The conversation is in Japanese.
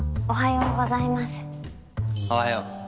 おはよう。